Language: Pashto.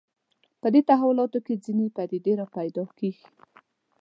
په دې تحولاتو کې ځینې پدیدې راپیدا کېږي